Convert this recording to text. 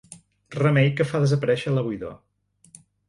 Remei que fa desaparèixer la buidor.